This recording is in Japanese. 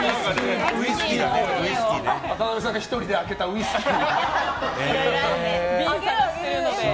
渡邊さんが１人であけたウイスキー。